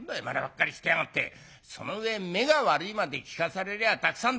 その上目が悪いまで聞かされりゃたくさんだ」。